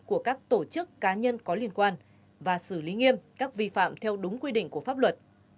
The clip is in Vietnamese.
của các tổ chức cá nhân có liên quan và xử lý nghiêm các vi phạm theo đúng quy định của pháp luật